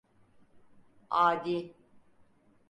Adi!